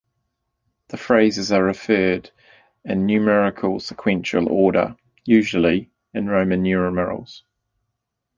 The phases are referred in numerical sequential order, usually in Roman numerals.